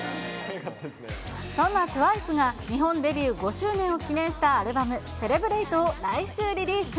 そんなＴＷＩＣＥが、日本デビュー５周年を記念したアルバム、セレブレイトを来週リリース。